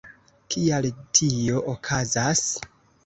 Kial tio okazas?